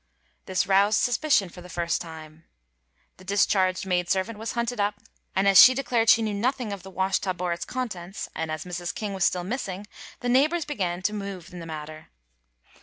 This roused suspicion for the first time. The discharged maid servant was hunted up, and as she declared she knew nothing of the wash tub or its contents, and as Mrs. King was still missing, the neighbours began to move in the matter.